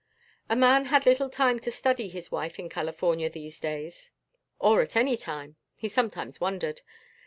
A man had little time to study his wife in California these days. Or at any time? He sometimes wondered.